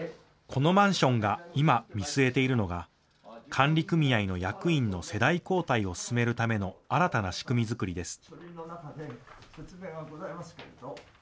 このマンションが今、見据えているのが管理組合の役員の世代交代を進めるための新たな仕組み作りです。